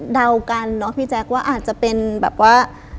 เดากันเนอะพี่แจ๊คว่าอาจจะเป็นแบบว่า